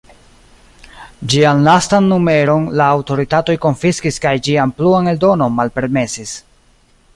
Ĝian lastan numeron la aŭtoritatoj konfiskis kaj ĝian pluan eldonon malpermesis.